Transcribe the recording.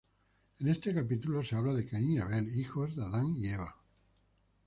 En este capítulo se habla de Caín y Abel, hijos de Adán y Eva.